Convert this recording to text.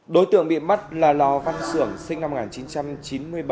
đối tượng bị bắt là lo văn sưởng sinh năm một nghìn chín trăm chín mươi bảy